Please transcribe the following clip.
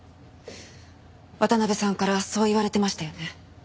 渡辺さんからそう言われてましたよね。